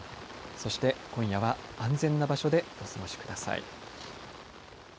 そして、今夜は安全な場所でお過ごしください。